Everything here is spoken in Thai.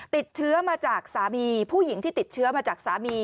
ติดเชื้อมาจากสามีผู้หญิงที่ติดเชื้อมาจากสามี